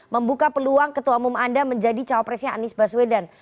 membuka peluang ketua umum anda menjadi cawapresnya anies baswedan